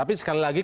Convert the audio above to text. tapi sekali lagi